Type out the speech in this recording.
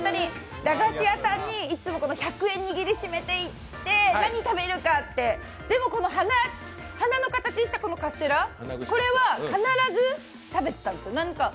駄菓子屋さんにいつも１００円を握りしめて行って何食べるかって、でもこの花の形したこのカステラ、これは必ず食べてたんですよ。